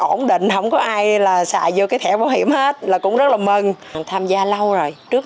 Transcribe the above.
ổn định không có ai là xài vô cái thẻ bảo hiểm hết là cũng rất là mừng tham gia lâu rồi trước